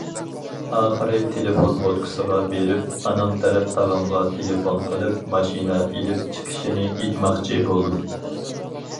ئاخىرى تېلېفون بوتكىسىغا بېرىپ ئانام تەرەپ تاغامغا تېلېفون قىلىپ ماشىنا ئېلىپ چىقىشىنى ئېيتماقچى بولدۇم.